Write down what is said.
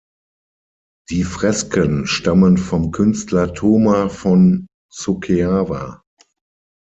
Die Fresken stammen vom Künstler Toma von Suceava.